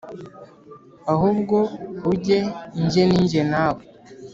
ahubwo urye jye nijye nawe